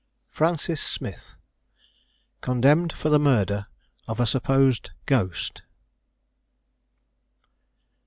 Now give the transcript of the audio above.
399_] FRANCIS SMITH. CONDEMNED FOR THE MURDER OF A SUPPOSED GHOST.